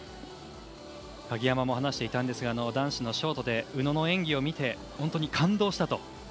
鍵山も話していたんですが男子ショートで宇野の演技を見て本当に感動したと。